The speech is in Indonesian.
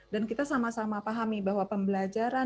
dan kita sama sama pahami bahwa pembelajaran